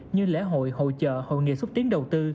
như lễ hội hội chợ hội nghị xúc tiến đầu tư